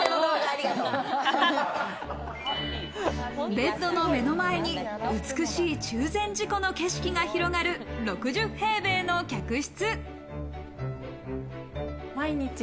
ベットの目の前に美しい中禅寺湖の景色が広がる６０平米の客室。